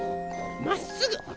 まっすぐ。